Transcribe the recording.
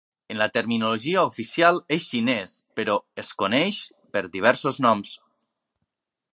En la terminologia oficial és xines però es coneix per diversos noms.